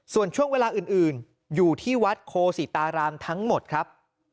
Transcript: ส่วนช่วงเวลาอื่นอยู่ที่วัดโคศิตารามทั้งหมดครับ